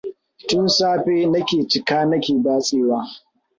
Tun safe na ke cika na ke batsewa.